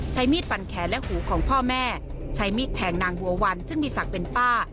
มีดฟันแขนและหูของพ่อแม่ใช้มีดแทงนางบัววันซึ่งมีศักดิ์เป็นป้า